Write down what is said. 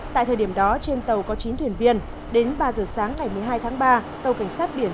tại thời điểm đó trên tàu có chín thuyền viên đến ba giờ sáng ngày một mươi hai tháng ba tàu cảnh sát biển chín nghìn một